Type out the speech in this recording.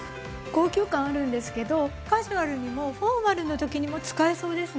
高級感あるんですけどカジュアルにもフォーマルの時にも使えそうですね。